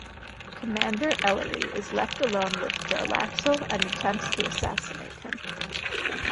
Commander Ellery is left alone with Jarlaxle and attempts to assassinate him.